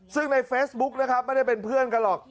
ซึ่งในเฟซบุ๊กนะครับไม่ได้เป็นเพื่อนกันหรอก